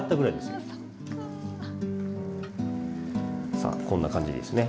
さあこんな感じですね。